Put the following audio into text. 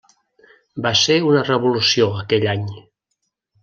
Va ser una revolució aquell any.